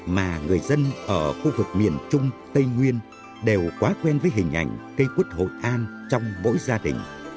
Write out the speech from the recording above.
mà người dân ở khu vực miền trung tây nguyên đều quá quen với hình ảnh cây quất hội an trong mỗi gia đình